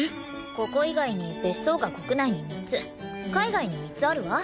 ここ以外に別荘が国内に３つ海外に３つあるわ。